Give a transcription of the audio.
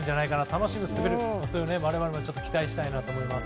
楽しむ姿、それを我々も期待したいと思います。